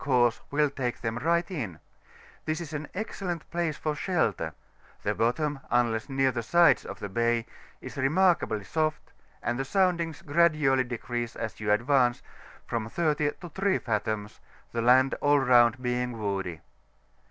course will take them right in; this is an excellent place for shelter : the bottom, unless near the sides of the bay, is remarkably soft, and the soundings gradually decrease as you advance, from 30 to 3 fathoms, the land all round being woody.